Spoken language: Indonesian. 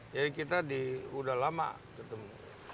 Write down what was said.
jadi kita udah lama ketemu